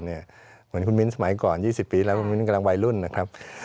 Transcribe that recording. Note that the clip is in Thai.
เหมือนคุณมิ้นสมัยก่อน๒๐ปีแล้วคุณมิ้นกำลังวัยรุ่นนะครับ